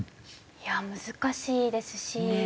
いや難しいですし。